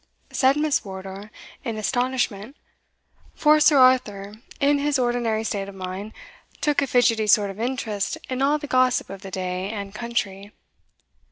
said Miss Wardour in astonishment; for Sir Arthur, in his ordinary state of mind, took a fidgety sort of interest in all the gossip of the day and country.